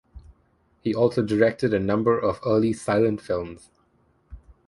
He also directed a number of early silent films.